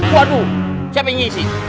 waduh siapa yang diisiin